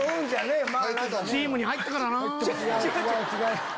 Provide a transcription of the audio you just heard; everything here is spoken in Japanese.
チームに入ったからなぁ。